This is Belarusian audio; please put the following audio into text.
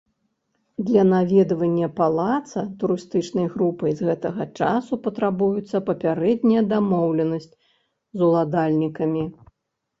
Для наведвання палаца турыстычнай групай з гэтага часу патрабуецца папярэдняя дамоўленасць з уладальнікамі.